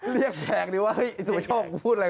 เรียกแค่หรือว่าสุโปรโชคพูดอะไร